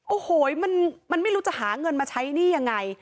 โอ้โหมันไม่รู้จะหาเงินมาใช้หนี้ยังไง